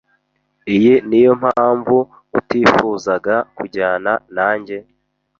Iyi niyo mpamvu utifuzaga kujyana nanjye?